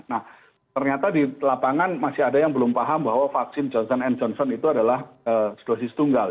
nah ternyata di lapangan masih ada yang belum paham bahwa vaksin john and johnson itu adalah dosis tunggal